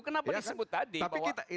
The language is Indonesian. kenapa disebut tadi